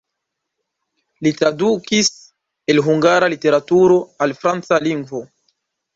Li tradukis el hungara literaturo al franca lingvo.